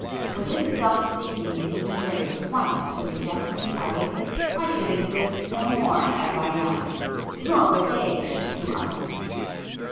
Were this self seeking human race once to reject me utterly, I should exist no more as I am,—nor would they exist who are with me.